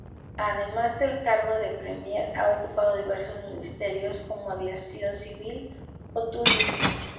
Además del cargo de Premier, ha ocupado diversos ministerios, como Aviación Civil o Turismo.